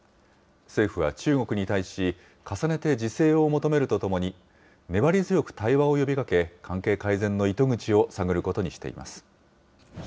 政府は中国に対し、重ねて自制を求めるとともに、粘り強く対話を呼びかけ、関係改善の糸口を探ることにしています。